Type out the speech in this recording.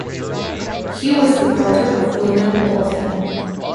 He was the brother of William Bulfin.